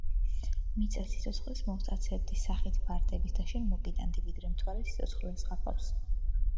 მიწას სიცოცხლეს მოვსტაცებდი სახით ვარდების და შენ მოგიტან, ვიდრე მთვარე სიცოცხლეს ღაფავს.